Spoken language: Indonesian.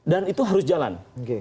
dan itu harus jalan